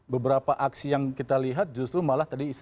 beberapa aksi yang kita lihat justru malah tadi istilah kita terbuka